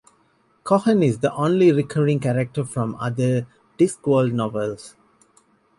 Cohen is the only recurring character from other Discworld novels.